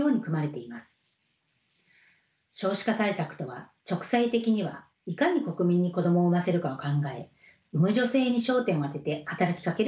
少子化対策とは直截的にはいかに国民に子どもを産ませるかを考え産む女性に焦点を当てて働きかける政策です。